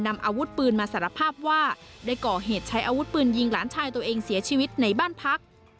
นำอาวุธปืนมาสารภาพว่าได้ก่อเหตุใช้อาวุธปืนยิงหลานชายตัวเองเสียชีวิตในบ้านพัก